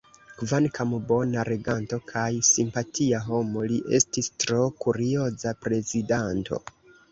Kvankam bona reganto kaj simpatia homo, li estis tro kurioza prezidanto.